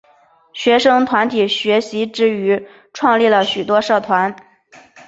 学生团体学习之余创立了许多社团。